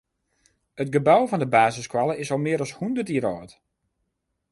It gebou fan de basisskoalle is al mear as hûndert jier âld.